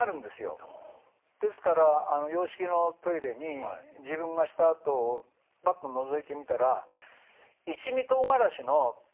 ですから洋式のトイレに自分がしたあとバッとのぞいてみたら一味唐辛子の小さい粉ありますよね。